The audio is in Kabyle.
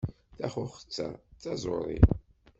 Taxuxet-a d taẓuri.